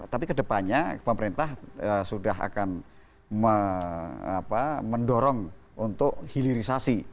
tapi kedepannya pemerintah sudah akan mendorong untuk hilirisasi